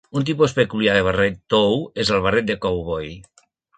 Un tipus peculiar de barret tou és el barret de cowboy.